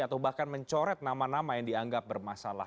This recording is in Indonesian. atau bahkan mencoret nama nama yang dianggap bermasalah